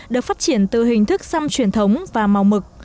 được phát triển từ hình thức xăm truyền thống và màu mực